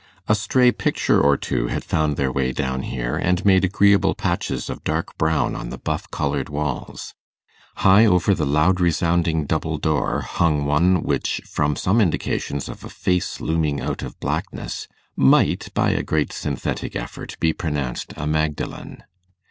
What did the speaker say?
A stray picture or two had found their way down there, and made agreeable patches of dark brown on the buff coloured walls. High over the loud resounding double door hung one which, from some indications of a face looming out of blackness, might, by a great synthetic effort, be pronounced a Magdalen.